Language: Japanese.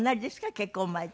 結婚前と。